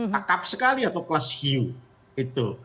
kakap sekali atau kelas hiu gitu